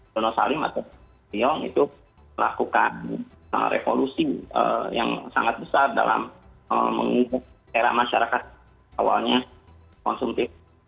donald salim atau pyong itu melakukan revolusi yang sangat besar dalam mengubah era masyarakat awalnya konsumtif